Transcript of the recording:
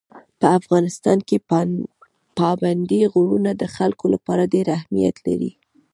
په افغانستان کې پابندي غرونه د خلکو لپاره ډېر اهمیت لري.